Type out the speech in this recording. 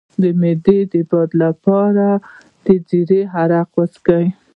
د معدې د باد لپاره د زیرې عرق وڅښئ